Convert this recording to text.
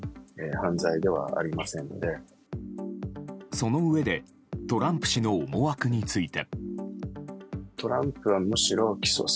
そのうえでトランプ氏の思惑について。